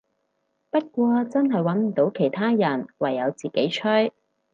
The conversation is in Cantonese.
不過真係穩唔到其他人，唯有自己吹